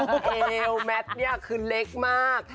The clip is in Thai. เอวแมทเนี่ยคือเล็กมาก